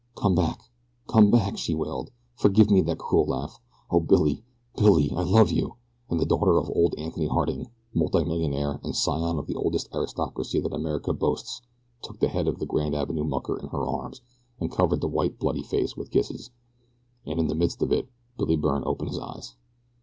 "Come back! Come back!" she wailed. "Forgive me that cruel laugh. O Billy! Billy! I love you!" and the daughter of old Anthony Harding, multimillionaire and scion of the oldest aristocracy that America boasts, took the head of the Grand Avenue mucker in her arms and covered the white, bloody face with kisses and in the midst of it Billy Byrne opened his eyes.